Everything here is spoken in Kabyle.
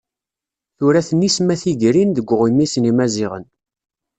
Tura-t Nisma Tigrin deg uɣmis n yimaziɣen.